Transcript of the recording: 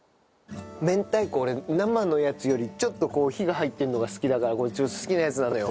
明太子俺生のやつよりちょっとこう火が入ってるのが好きだからこれちょっと好きなやつなのよ。